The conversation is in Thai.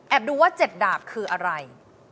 แอบดูว่าเจ็ดดากคืออะไร